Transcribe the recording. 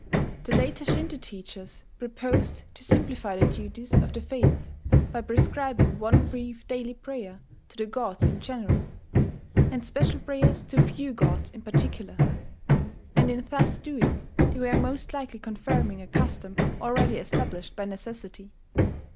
The later Shinto teachers proposed to simplify the duties of the faith by prescribing one brief daily prayer to the gods in general, and special prayers to a few gods in particular; and in thus doing they were most likely confirming a custom already established by necessity.